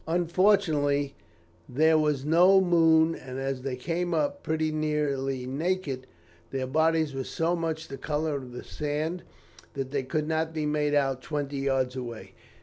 "Unfortunately, there was no moon, and as they came up pretty nearly naked, their bodies were so much the colour of the sand that they could not be made out twenty yards away.